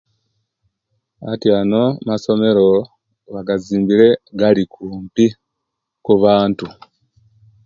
Bwatyanu amasomero bagazimbire Gali kumpi kubantu